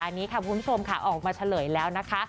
การนี้ค่ะความคุ้นใจมันออกมาเฉลยแล้วนะคะ